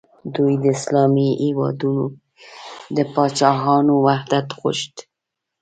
دوی د اسلامي هیوادونو د پاچاهانو وحدت غوښت.